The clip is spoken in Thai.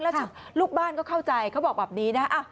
แล้วลูกบ้านก็เข้าใจเขาบอกแบบนี้นะ